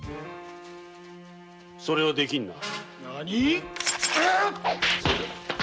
それはできんな。